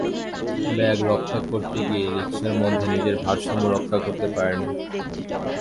Bag রক্ষা করতে গিয়ে রিকশার মধ্যে নিজের ভারসাম্য রক্ষা করতে পারিনি।